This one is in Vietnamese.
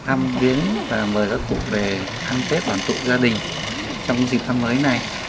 tôi đã diễn biến và mời các cụ về ăn tết bản tụ gia đình trong dịp tháng mới này